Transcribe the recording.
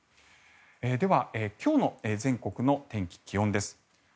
では、今日の全国の天気、気温です。